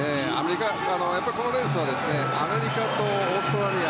このレースはアメリカとオーストラリア